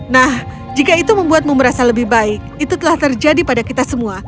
nah jika itu membuatmu merasa lebih baik itu telah terjadi pada kita semua